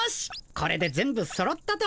これで全部そろったと。